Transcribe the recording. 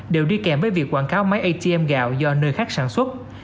đều đi kèm với việc quảng cáo máy atm gạo do nơi khác sản xuất